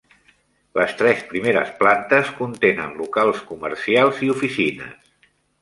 Les tres primeres plantes contenen locals comercials i oficines.